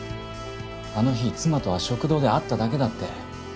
あの日妻とは食堂で会っただけだって。